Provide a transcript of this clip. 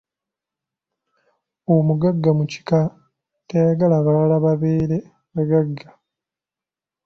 Omugagga mu kika tayagala balala babeere bagagga.